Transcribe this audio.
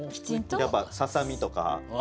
やっぱささみとか。